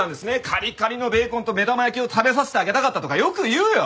カリカリのベーコンと目玉焼きを食べさせてあげたかったとかよく言うよ！